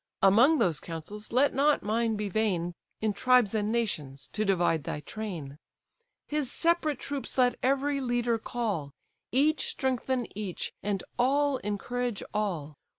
Among those counsels, let not mine be vain; In tribes and nations to divide thy train: His separate troops let every leader call, Each strengthen each, and all encourage all.